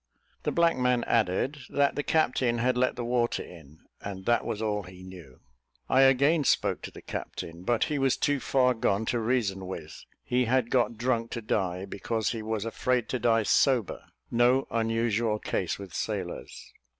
The black man added, that the captain had let the water in, and that was all he knew. I again spoke to the captain, but he was too far gone to reason with: he had got drunk to die, because he was afraid to die sober no unusual case with sailors.